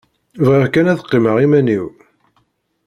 Bɣiɣ kan ad qqimeɣ iman-iw.